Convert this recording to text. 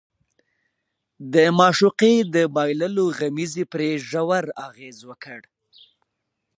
د معشوقې د بايللو غمېزې پرې ژور اغېز وکړ.